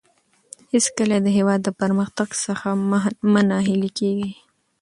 هېڅکله د هېواد د پرمختګ څخه مه ناهیلي کېږئ.